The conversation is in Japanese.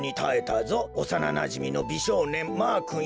おさななじみのびしょうねんマーくんより」。